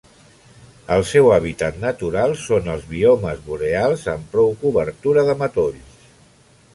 El seu hàbitat natural són els biomes boreals amb prou cobertura de matolls.